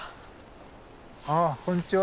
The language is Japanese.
あこんにちは。